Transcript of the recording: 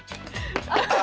あっ。